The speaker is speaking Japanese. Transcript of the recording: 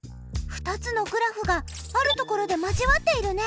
２つのグラフがあるところで交わっているね。